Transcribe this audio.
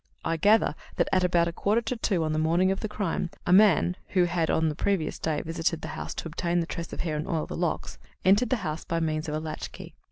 "I gather that at about a quarter to two on the morning of the crime, a man (who had, on the previous day visited the house to obtain the tress of hair and oil the locks) entered the house by means of a latchkey.